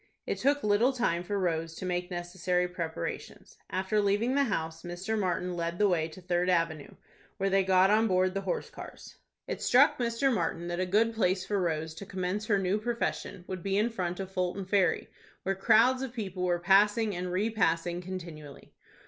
It took little time for Rose to make necessary preparations. After leaving the house, Mr. Martin led the way to Third Avenue, where they got on board the horse cars. It struck Mr. Martin that a good place for Rose to commence her new profession would be in front of Fulton Ferry, where crowds of people were passing and repassing continually.